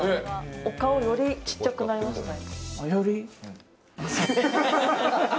お顔、よりちっちゃくなりましたね